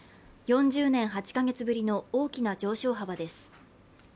４０年８か月ぶりの大きな上昇幅です。